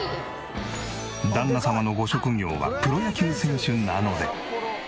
旦那様のご職業はプロ野球選手なので。